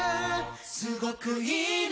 すごくいいね